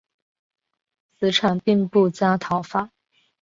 子产并不加讨伐。